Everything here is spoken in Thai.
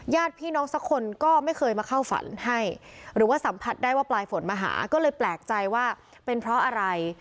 ญาติพี่น้องสักคนก็ไม่เคยมาเข้าฝันให้หรือว่าสัมผัสได้ว่าปลายฝนมาหาก็เลยแปลกใจว่าเป็นเพราะอะไร